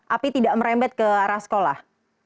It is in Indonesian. api tidak merembet ke arah sekolah